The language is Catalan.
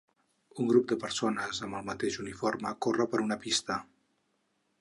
Un grup de persones amb el mateix uniforme corre per una pista.